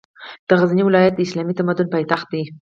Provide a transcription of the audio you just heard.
د غزني ولایت د اسلامي تمدن پاېتخت ده